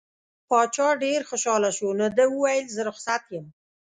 باچا ډېر خوشحاله شو نو ده وویل زه رخصت یم.